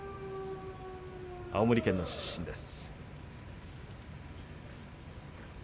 青森県出身です。